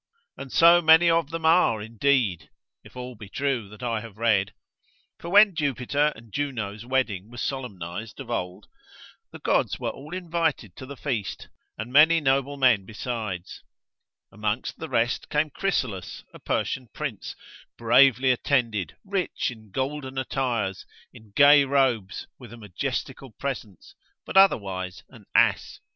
And so many of them are indeed (if all be true that I have read). For when Jupiter and Juno's wedding was solemnised of old, the gods were all invited to the feast, and many noble men besides: Amongst the rest came Crysalus, a Persian prince, bravely attended, rich in golden attires, in gay robes, with a majestical presence, but otherwise an ass.